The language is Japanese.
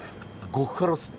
極辛っすね。